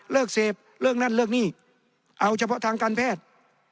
เสพเลิกนั่นเลิกนี่เอาเฉพาะทางการแพทย์